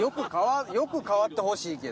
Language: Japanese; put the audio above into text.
良く変わってほしいけど。